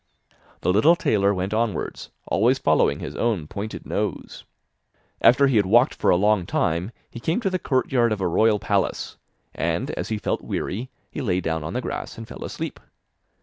The little tailor went onwards, always following his own pointed nose. After he had walked for a long time, he came to the courtyard of a royal palace, and as he felt weary, he lay down on the grass and fell asleep.